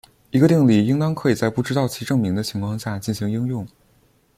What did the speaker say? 一个定理应当可以在不知道其证明的情况下进行应用。